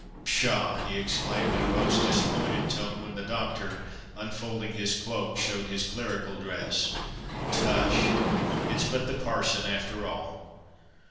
—Pshaw!" he exclaimed, in a most disappointed tone, when the Doctor, unfolding his cloak, showed his clerical dress; "Tush! it's but the parson after all!"